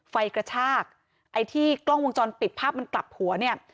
กระชากไอ้ที่กล้องวงจรปิดภาพมันกลับหัวเนี่ย